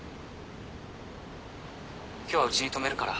今日はうちに泊めるから。